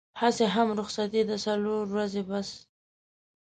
هسې هم رخصتي ده څلور ورځې بس.